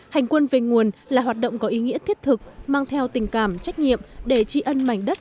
hành quân về nguồn là hoạt động có ý nghĩa thiết thực mang theo tình cảm trách nhiệm để tri ân mảnh đất